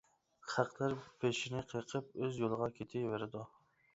خەقلەر پېشىنى قېقىپ ئۆز يولىغا كېتىۋېرىدۇ.